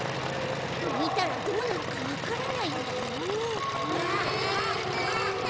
ぬいたらどうなるかわからないんだよ！？